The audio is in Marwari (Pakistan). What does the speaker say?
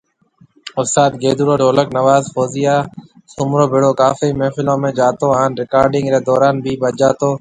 استاد گيدُوڙو ڍولڪ نواز فوزيا سومرو ڀيڙو ڪافي محفلون ۾ جاتو هان رڪارڊنگ ري دوران بِي بجاتو